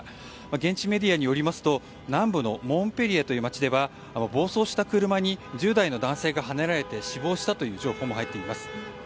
現地メディアによりますと南部のモンペリエという街では暴走した車に１０代の男性がはねられて死亡したという情報も入っています。